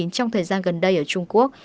trong thời gian gần đây ở trung quốc